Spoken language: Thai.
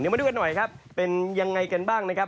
มาดูกันหน่อยครับเป็นยังไงกันบ้างนะครับ